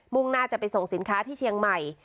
่งหน้าจะไปส่งสินค้าที่เชียงใหม่